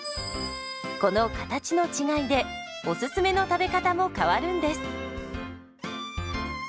この形の違いでおすすめの食べ方も変わるんです。